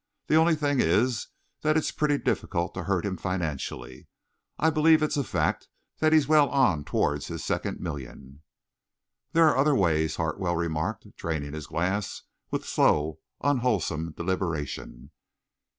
The only thing is that it's pretty difficult to hurt him financially. I believe it's a fact that he's well on towards his second million." "There are other ways," Hartwell remarked, draining his glass with slow, unwholesome deliberation.